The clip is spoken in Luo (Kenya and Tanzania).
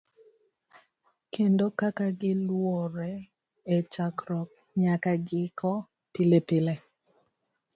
kendo kaka giluwore e chakruok nyaka giko pilepile.